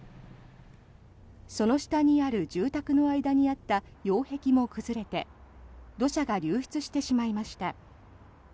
その下にある住宅の間にあった擁壁も崩れて土砂が流出してしまいました。